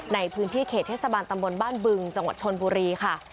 ในพื้นที่เขตเทศบาลตำบลบ้านบึงจังหวัดชนบุรีค่ะ